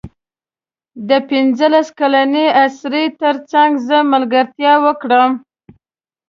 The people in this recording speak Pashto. د پنځلس کلنې اسرې تر څنګ زه ملګرتیا وکړم.